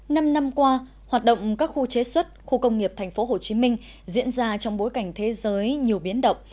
năm năm qua hoạt động các khu chế xuất khu công nghiệp tp hcm diễn ra trong bối cảnh thế giới nhiều biến động